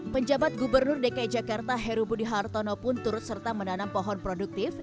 penjabat gubernur dki jakarta heru budi hartono pun turut serta menanam pohon produktif